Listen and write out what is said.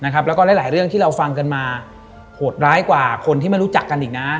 แล้วก็หลายเรื่องที่เราฟังกันมาโหดร้ายกว่าคนที่ไม่รู้จักกันอีกนะ